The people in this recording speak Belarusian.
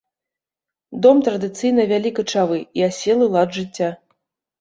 Дом традыцыйна вялі качавы і аселы лад жыцця.